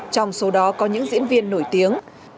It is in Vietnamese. trong số đó có những diễn viên nổi tiếng